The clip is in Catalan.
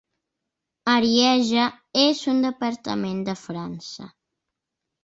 Arieja és un departament de França.